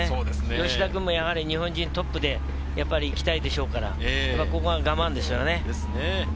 吉田くんもやはり日本人トップでいきたいでしょうから、ここは我慢ですよね。